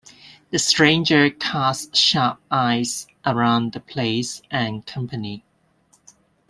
The stranger cast sharp eyes around the place and company.